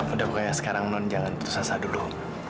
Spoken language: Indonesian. udah pokoknya sekarang non jangan tersasar dulu